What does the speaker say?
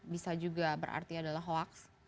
bisa juga berarti adalah hoax